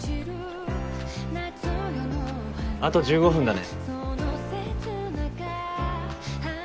あと１５分だね。